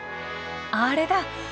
あれだ。